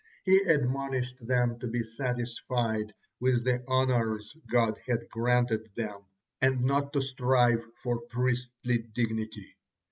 He admonished them to be satisfied with the honors God had granted them, and not to strive for priestly dignity.